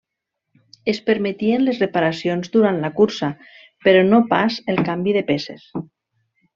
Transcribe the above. Es permetien les reparacions durant la cursa, però no pas el canvi de peces.